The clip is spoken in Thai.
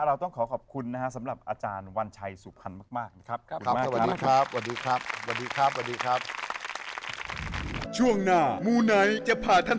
เราต้องขอขอบคุณนะฮะสำหรับอาจารย์วันชัยสุพรรณมากนะครับ